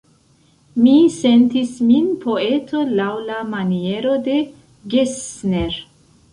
Mi sentis min poeto laŭ la maniero de Gessner.